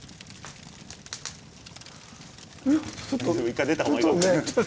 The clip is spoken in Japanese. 一回出た方がいいかも。